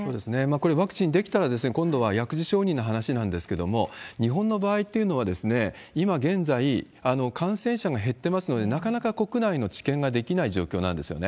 これ、ワクチン出来たら、今度は薬事承認の話なんですけれども、日本の場合っていうのは、今現在、感染者が減ってますので、なかなか国内の治験ができない状況なんですよね。